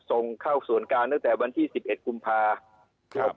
ส่งเข้าส่วนกลางตั้งแต่วันที่๑๑กุมภาครับ